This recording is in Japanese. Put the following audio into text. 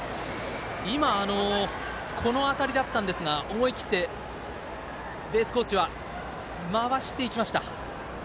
今、この当たりだったんですが思い切って、ベースコーチは回していきました。